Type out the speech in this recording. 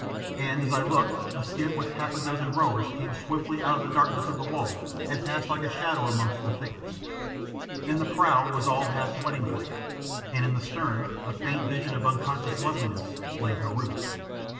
And as I looked a skiff with half a dozen rowers came swiftly out of the darkness of the wall and passed like a shadow amongst the thickets. In the prow was all Hath's wedding plate, and in the stern, a faint vision of unconscious loveliness, lay Heru!